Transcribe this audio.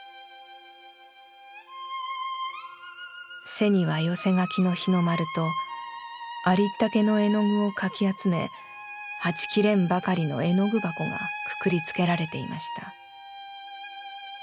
「背には寄せ書きの日の丸とありったけの絵の具をかき集めはちきれんばかりの絵の具箱がくくりつけられていました。